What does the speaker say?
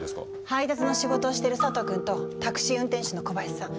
配達の仕事をしてる佐藤君とタクシー運転手の小林さん。